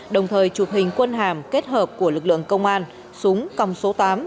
đồng thời chụp hình quân hàm kết hợp của lực lượng công an súng còng số tám